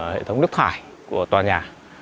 hệ thống nước thải của toàn nhà